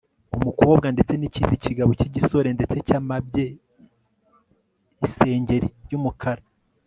umukobwa ndetse nikindi kigabo cyigisore ndetse cyamabye isengeri yumukara